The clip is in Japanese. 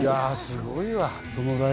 すごいわ。